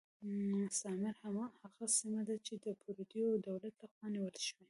مستعمره هغه سیمه ده چې د پردیو دولت له خوا نیول شوې.